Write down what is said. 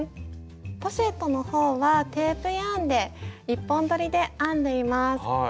ポシェットのほうはテープヤーンで１本どりで編んでいます。